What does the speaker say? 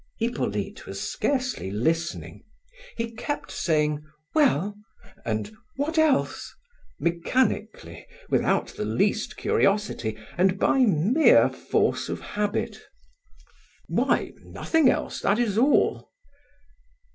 Hippolyte was scarcely listening. He kept saying "well?" and "what else?" mechanically, without the least curiosity, and by mere force of habit. "Why, nothing else; that is all."